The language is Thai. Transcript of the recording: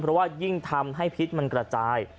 เพราะว่ายิ่งทำให้พิษมันกระจาย